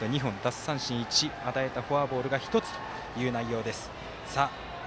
１与えたフォアボールが１つという内容です。